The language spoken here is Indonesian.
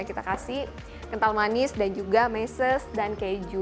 kita kasih kental manis dan juga meses dan keju